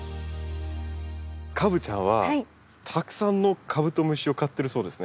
カブちゃんはたくさんのカブトムシを飼ってるそうですね。